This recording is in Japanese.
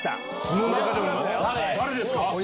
その中で誰ですか？